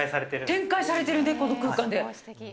展開されてるね、この空間で。